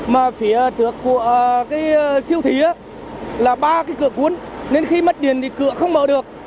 mà phía trước của siêu thị là ba cửa cuốn nên khi mất điện thì cửa không mở được